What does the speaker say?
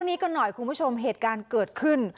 นี้กันหน่อยคุณผู้ชมเหตุการณ์เกิดขึ้น